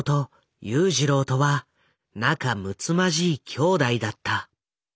裕次郎とは仲むつまじい兄弟だった。